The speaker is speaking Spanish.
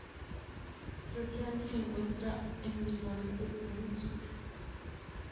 Gyeonggi se encuentra en el noroeste de Corea del Sur.